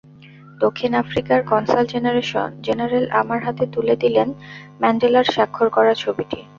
দক্ষিণ আফ্রিকার consul general আমার হাতে তুলে দিলেন ম্যান্ডেলার স্বাক্ষর করা ছবিটি।